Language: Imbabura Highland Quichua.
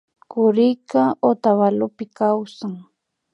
Kurika Otavalopi kawsan